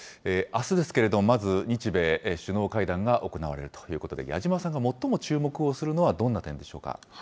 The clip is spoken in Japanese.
あすですけれども、まず、日米首脳会談が行われるということで、矢島さんが最も注目をするのはどんな点でしょうか。